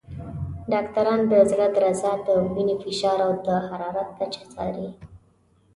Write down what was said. ډاکټران د زړه درزا، د وینې فشار، او د حرارت کچه څاري.